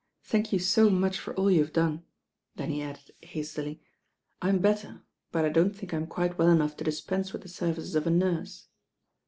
"Thank you so much for all you have done," then he added hastily, "I'm better; but I don't think I'm quite well enough to dispense with the services of a nurse."